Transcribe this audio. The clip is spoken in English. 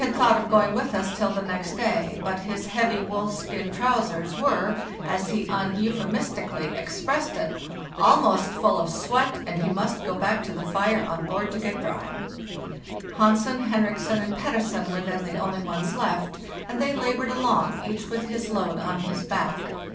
MARCH 14, 1895 (From a photograph) WE SAY GOOD BYE TO THE «"FRAM" 135 of going with us till the next day, but his heavy wolf skin trousers were, as he un euphemistically expressed it, "almost full of sweat, and he must go back to the fire on board to get dry." Hansen, Henriksen, and Pettersen were then the only ones left, and they labored along, each with his load on his back.